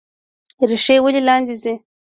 ریښې ولې لاندې ځي؟